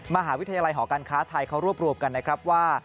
มหาวิทยาลัยหอการค้าไทยเขารวบรวมกันนะครับว่า